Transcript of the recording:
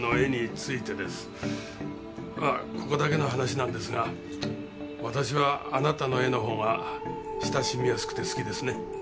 まあここだけの話なんですが私はあなたの絵の方が親しみやすくて好きですね。